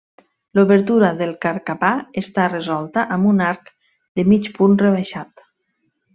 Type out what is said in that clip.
L'obertura del carcabà està resolta amb un arc de mig punt rebaixat.